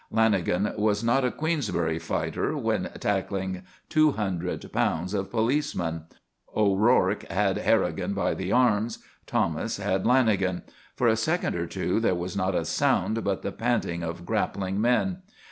Lanagan was not a Queensbury fighter when tackling two hundred pounds of policeman. O'Rourke had Harrigan by the arms. Thomas had Lanagan. For a second or two there was not a sound but the panting of grappling men.